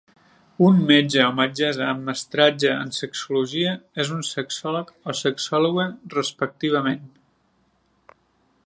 Un metge o metgessa amb un mestratge en sexologia és un sexòleg o sexòloga respectivament.